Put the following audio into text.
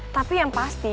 tapi yang pasti